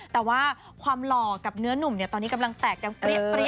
แต่ว่าความหล่อกับเนื้อนุ่มตอนนี้กำลังแตกดังเปรี้ย